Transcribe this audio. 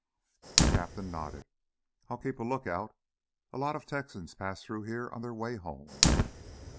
The captain nodded. "I'll keep a lookout. A lot of Texans pass through here on their way home."